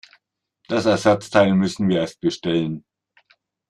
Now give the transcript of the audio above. Das Ersatzteil müssten wir erst bestellen.